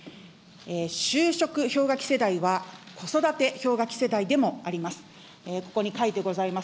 就職氷河期世代は、子育て氷河期世代でもあります。